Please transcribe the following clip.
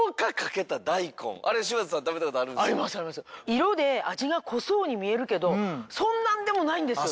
色で味が濃そうに見えるけどそんなんでもないんですよ。